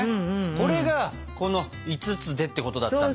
これがこの「５つで」ってことだったんだ。